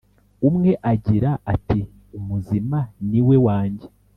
umwe agira ati ‘Umuzima ni we wanjye